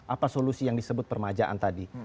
apa solusi yang disebut permajaan tadi